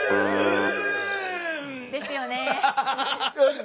ですよね。